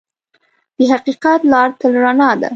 د حقیقت لار تل رڼا ده.